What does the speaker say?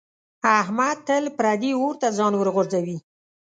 احمد تل پردي اور ته ځان ورغورځوي.